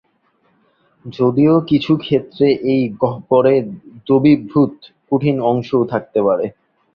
যদিও কিছু ক্ষেত্রে এই গহ্বরে দ্রবীভূত কঠিন অংশও থাকতে পারে।